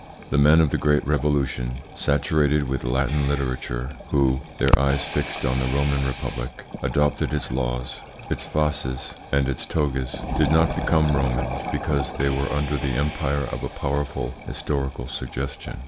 The men of the Great Revolution, saturated with Latin literature, who (their eyes fixed on the Roman Republic), adopted its laws, its fasces, and its togas, did not become Romans because they were under the empire of a powerful historical suggestion.